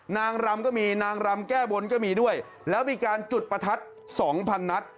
นางรำก็มีนางรำแก้บนก็มีด้วยแล้วมีการจุดประทัดสองพันนัด